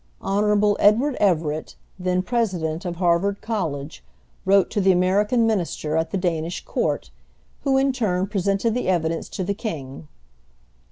Hon. Edward Everett, then President of Harvard College, wrote to the American Minister at the Danish Court, who in turn presented the evidence to the King.